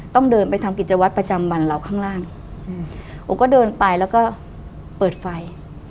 ต้องเดินไปทำกิจวัตรประจำวันเราข้างล่างโอก็เดินไปแล้วก็เปิดไฟ